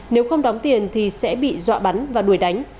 nếu không đóng tiền thì sẽ bị dọa bắn và đuổi đánh